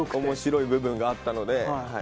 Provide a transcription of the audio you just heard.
面白い部分があったので。